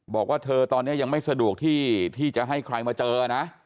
บอกว่าเธอตอนนี้ยังไม่สะดวกที่จะให้ใครมาเจอนะ